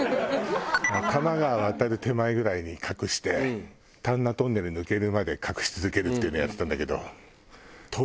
多摩川を渡る手前ぐらいで隠して丹那トンネル抜けるまで隠し続けるっていうのをやってたんだけど。